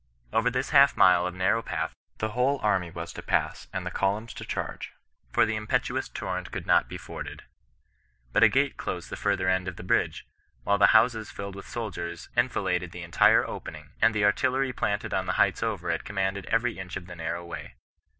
Over this half nule of narrow path the whole army was to pass and the columns to charge ; for the impetuous torrent could not be forded. But a gate closed the fur ther end of the bridge, while the houses filled with soldiers enfiladed the entire opening, and the artillery planted on the heights over it commanded every inch of the narrow way.